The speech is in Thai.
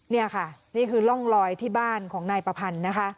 นี่ค่ะนี่คือร่องลอยที่บ้านของนายประพันธ์นะคะ